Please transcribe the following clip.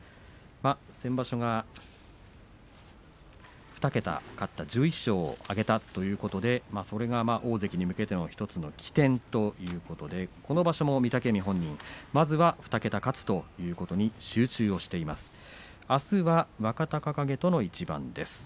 先場所は２桁勝った１１勝挙げたということでそれが大関に向けての１つの起点ということでこの場所も御嶽海はまずは２桁勝つということに集中しています。